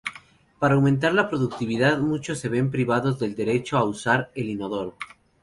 Para aumentar la productividad, muchos se ven privados del derecho a usar el inodoro.